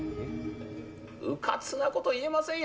うかつなこと言えませんよ。